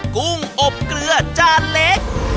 กุ้งอบเกลือจานเล็ก